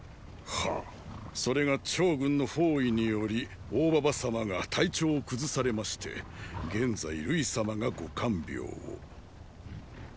ハそれが趙軍の包囲により大ばば様が体調を崩されまして現在瑠衣様がご看病を。